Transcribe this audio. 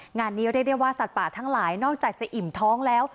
งานนี้เรียกได้ว่าสัตว์ป่าทั้งหลายนอกจากจะอิ่มท้องแล้ว